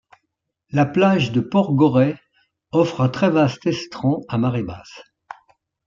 La plage de Port Goret offre un très vaste estran à marée basse.